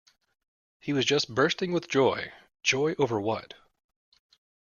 He was just bursting with joy, joy over what.